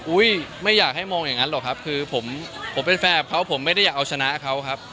ไม่อยากให้มองอย่างนั้นหรอกครับคือผมเป็นแฟนกับเขาผมไม่ได้อยากเอาชนะเขาครับ